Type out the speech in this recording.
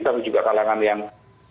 tapi juga kalangan yang